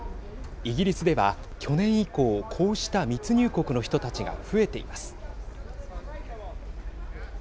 イギリスでは、去年以降こうした密入国の人たちが増えています。